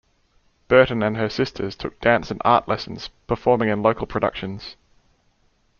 Burton and her sister took dance and art lessons, performing in local productions.